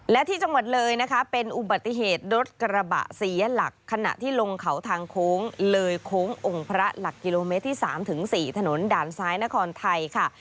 และที่จังหวัดเลยนะคะเป็นอุบัติเหตุรถกระบะเสียหลักขณะที่ลงเขาทางโค้งเลยโค้งองค์พระหลักกิโลเมตรที่๓ถึง๔ถนนด่านซ้ายนครไทยค่ะ